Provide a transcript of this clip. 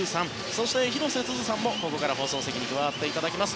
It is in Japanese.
そして広瀬すずさんも放送席に加わっていただきます。